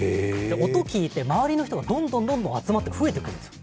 音を聞いて周りの人がどんどん集まって増えていくんですよ。